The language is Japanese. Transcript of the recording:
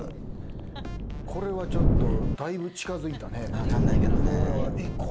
これはちょっとだいぶ近づいたね。